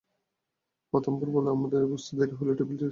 প্রথমবার বলে আমাদের বুঝতে দেরি হলেও টেবিল চেয়ার দখল করলাম ঠিকই।